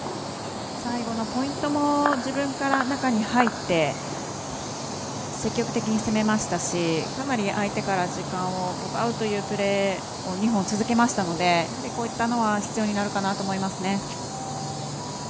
最後のポイントも自分から中に入って積極的に攻めましたしかなり、相手から時間を奪うプレーを２本続けましたのでこういったのは必要になるかなと思いますね。